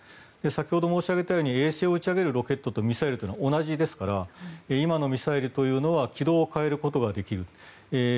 先ほど申し上げたように衛星を打ち上げるミサイルとロケットというのは同じですから今のミサイルというのは軌道を変えることができる。